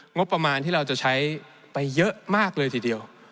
งบประมาณที่เราจะใช้ไปเยอะมากเลยทีเดียว